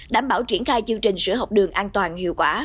đảm bảo triển khai chương trình sữa học đường an toàn hiệu quả